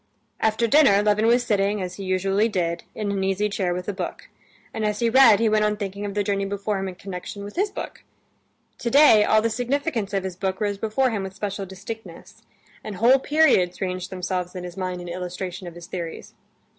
After dinner Levin was sitting, as he usually did, in an easy chair with a book, and as he read he went on thinking of the journey before him in connection with his book. Today all the significance of his book rose before him with special distinctness, and whole periods ranged themselves in his mind in illustration of his theories.